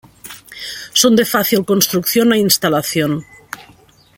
Son de fácil construcción e instalación.